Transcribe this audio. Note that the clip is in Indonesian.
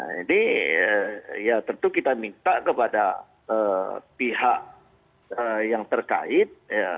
jadi ya tentu kita minta kepada pihak yang terkait